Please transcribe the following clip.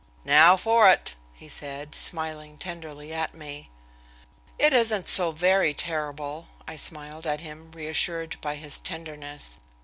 "Now for it," he said, smiling tenderly at me. "It isn't so very terrible," I smiled at him reassured by his tenderness.